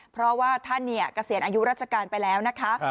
เพราะว่าท่านเกษียณอายุราชการไปแล้วนะคะ